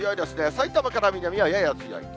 さいたまから南はやや強い。